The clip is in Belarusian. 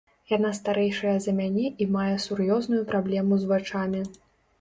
Яна старэйшая за мяне і мае сур'ёзную праблему з вачамі.